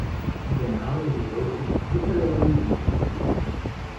Der Name bedeutet "Mutter der Melodien".